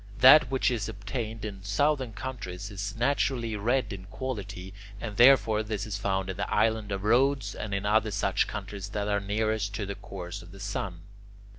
That which is obtained in southern countries is naturally red in quality, and therefore this is found in the island of Rhodes and in other such countries that are nearest to the course of the sun.